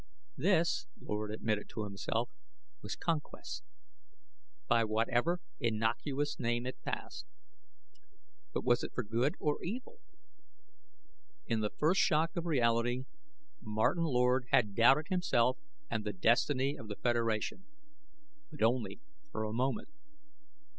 This, Lord admitted to himself, was conquest, by whatever innocuous name it passed. But was it for good or evil? In the first shock of reality, Martin Lord had doubted himself and the destiny of the Federation. But only for a moment.